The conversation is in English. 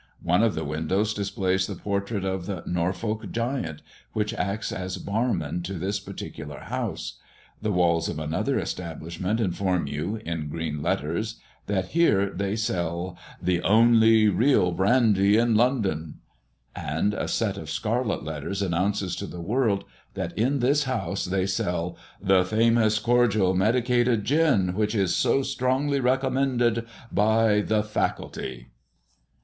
One of the windows displays the portrait of the "NORFOLK GIANT," who acts as barman to this particular house; the walls of another establishment inform you, in green letters, that here they sell "THE ONLY REAL BRANDY IN LONDON," and a set of scarlet letters announces to the world, that in this house they sell "THE FAMOUS CORDIAL MEDICATED GIN, WHICH IS SO STRONGLY RECOMMENDED BY THE FACULTY."